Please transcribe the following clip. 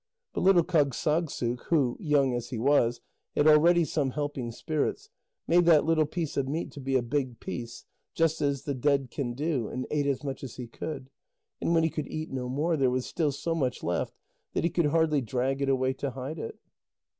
But little Kâgssagssuk, who, young as he was, had already some helping spirits, made that little piece of meat to be a big piece, just as the dead can do, and ate as much as he could, and when he could eat no more, there was still so much left that he could hardly drag it away to hide it.